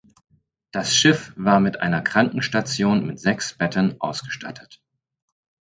Das Schiff war mit einer Krankenstation mit sechs Betten ausgestattet.